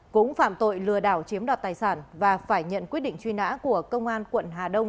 cũng phạm tội lừa đảo chiếm đoạt tài sản và phải nhận quyết định truy nã của công an quận hà đông